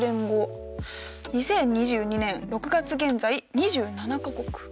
２０２２年６月現在２７か国。